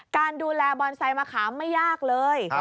การดูแลบอนไซต์มะขามไม่ยากเลย